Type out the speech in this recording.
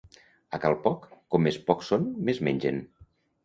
A cal poc, com més pocs són, més mengen.